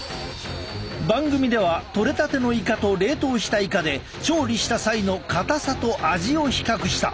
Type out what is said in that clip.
番組では取れたてのいかと冷凍したいかで調理した際のかたさと味を比較した。